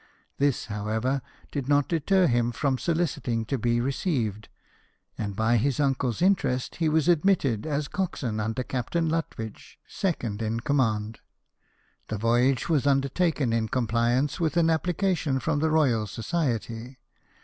This, however, did not deter him from soliciting to be received, and by his uncle's interest he was admitted as coxswain under Captain Lutwidge, second in com mand. The voyage was undertaken in compliance with an application from the Royal Society.